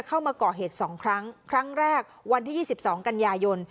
เข้ามาเกาะเหตุสองครั้งครั้งแรกวันที่ยี่สิบสองกันยายน